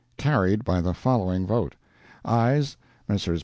Carried by the following vote: AYES—Messrs.